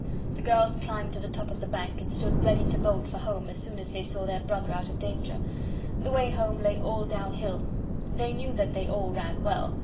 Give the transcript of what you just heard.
The girls climbed to the top of the bank and stood ready to bolt for home as soon as they saw their brother out of danger. The way home lay all down hill. They knew that they all ran well.